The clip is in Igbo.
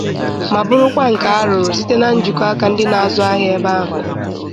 ma bụrụkwa nke a rụrụ site na njikọ aka ndị na-azụ ahịa ebe ahụ